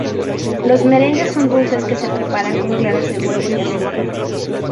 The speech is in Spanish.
Los merengues son dulces que se preparan con claras de huevo y azúcar.